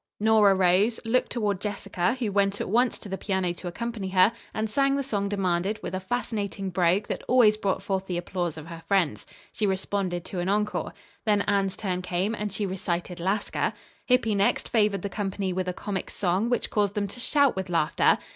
Nora rose, looked toward Jessica, who went at once to the piano to accompany her, and sang the song demanded with a fascinating brogue that always brought forth the applause of her friends. She responded to an encore. Then Anne's turn came, and she recited "Lasca." Hippy next favored the company with a comic song, which caused them to shout with laughter.